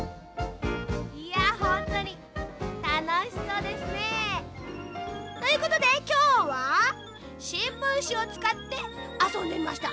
ほんとにたのしそうですね。ということできょうはしんぶんしをつかってあそんでみました。